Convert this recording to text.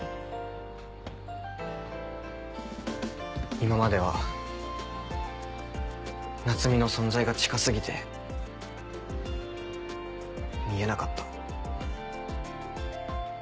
今までは夏海の存在が近過ぎて見えなかった。